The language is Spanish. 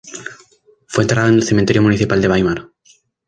Fue enterrado en el cementerio municipal de Weimar.